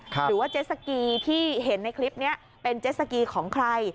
หรือว่าเจสสกีที่เห็นในคลิปนี้เป็นเจสสกีของใคร